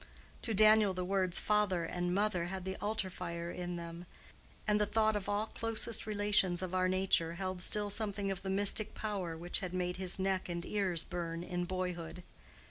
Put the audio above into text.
To Daniel the words Father and Mother had the altar fire in them; and the thought of all closest relations of our nature held still something of the mystic power which had made his neck and ears burn in boyhood.